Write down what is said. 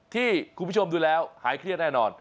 ที่คุณผู้ชมดูแล้วหายเครียดแน่นอน